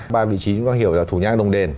ba vị trí chúng ta hiểu là thủ nhang đồng đền